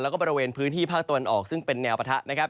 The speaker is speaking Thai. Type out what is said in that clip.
แล้วก็บริเวณพื้นที่ภาคตะวันออกซึ่งเป็นแนวปะทะนะครับ